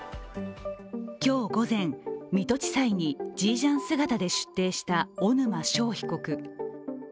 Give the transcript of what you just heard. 今日午前、水戸地裁にジージャン姿で出廷した小沼勝被告。